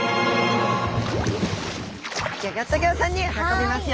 ギョギョッと号さんに運びますよ。